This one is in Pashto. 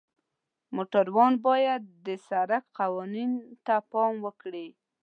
موټروان باید د سړک قوانینو ته پام وکړي.